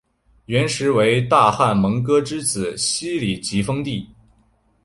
元时为大汗蒙哥之子昔里吉封地。